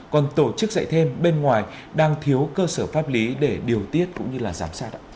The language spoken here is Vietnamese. còn tổ chức dạy thêm bên ngoài đang thiếu cơ sở pháp lý để điều tiết cũng như là giám sát